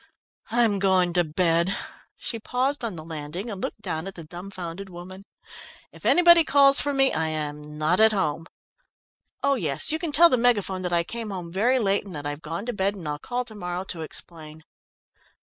I'm going to bed." She paused on the landing and looked down at the dumbfounded woman. "If anybody calls for me, I am not at home. Oh, yes, you can tell the Megaphone that I came home very late and that I've gone to bed, and I'll call to morrow to explain."